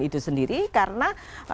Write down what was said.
itu sendiri karena